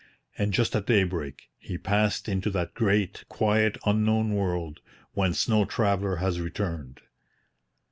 And just at daybreak he passed into that great, quiet Unknown World whence no traveller has returned.